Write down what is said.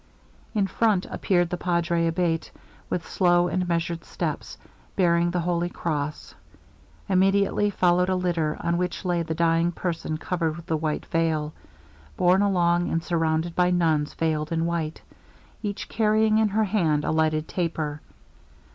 In front appeared the Padre Abate, with slow and measured steps, bearing the holy cross. Immediately followed a litter, on which lay the dying person covered with a white veil, borne along and surrounded by nuns veiled in white, each carrying in her hand a lighted taper.